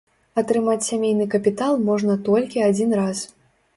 Атрымаць сямейны капітал можна толькі адзін раз.